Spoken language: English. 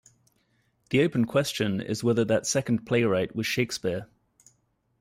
The open question is whether that second playwright was Shakespeare.